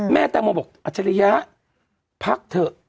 แม่แตงโมบอกอัจฉริยะพักเถอะ